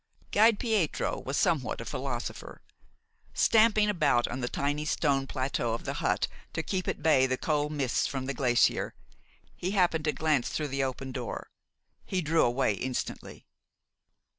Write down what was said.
Guide Pietro was somewhat a philosopher. Stamping about on the tiny stone plateau of the hut to keep at bay the cold mists from the glacier, he happened to glance through the open door. He drew away instantly.